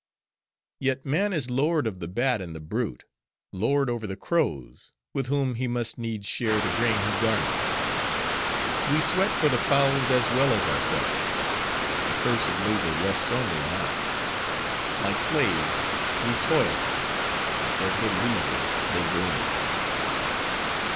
Yet man is lord of the bat and the brute; lord over the crows; with whom, he must needs share the grain he garners. We sweat for the fowls, as well as ourselves. The curse of labor rests only on us. Like slaves, we toil: at their good leisure they glean.